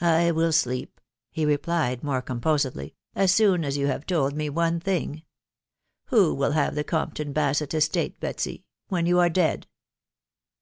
c< I will sleep," he replied, more composedly, " at soon as you have told me one thing. Who will have the Compton Basett estate, Betsy, when you are dead